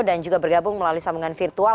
dan juga bergabung melalui sambungan virtual